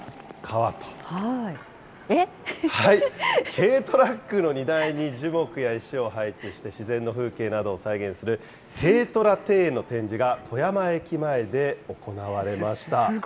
軽トラックの荷台に樹木や石を配置して、自然の風景などを再現する、軽トラ庭園の展示が富山駅前で行われました。